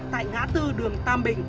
tại ngã tư đường tam bình